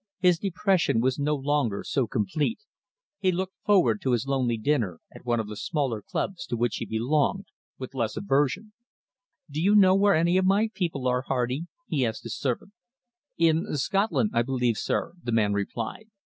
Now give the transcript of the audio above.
His depression was no longer so complete. He looked forward to his lonely dinner, at one of the smaller clubs to which he belonged, with less aversion. "Do you know where any of my people are. Hardy?" he asked his servant. "In Scotland, I believe, sir," the man replied.